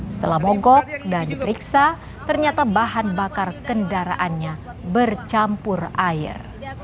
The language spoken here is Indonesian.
setelah mogok dan diperiksa ternyata bahan bakar kendaraannya bercampur air